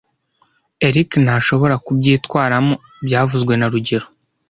Eric ntashobora kubyitwaramo byavuzwe na rugero